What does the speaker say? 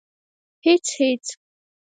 _هېڅ ، هېڅ.